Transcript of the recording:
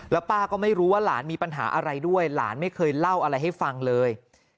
แล้วป้าก็ไม่รู้ว่าหลานมีปัญหาอะไรด้วยหลานไม่เคยเล่าอะไรให้ฟังเลย